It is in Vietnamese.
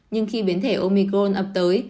nhưng khi biến thể omicron ập tới